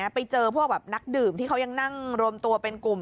ไปเจอพวกนักดื่มที่เขายังนั่งรวมตัวเป็นกลุ่ม